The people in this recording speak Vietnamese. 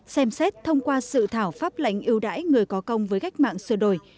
xem xét thông qua sự thảo pháp lãnh ưu đãi người có công với gách mạng sửa đổi